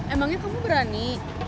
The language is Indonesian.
emangnya kamu berani